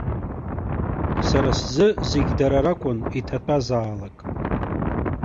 Сара сзы зегьы дара ракәын иҭатәазаалак.